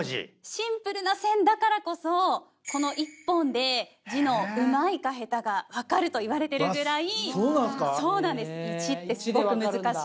シンプルな線だからこそこの１本で字のうまいか下手が分かるといわれてるぐらい「一」ってすごく難しい。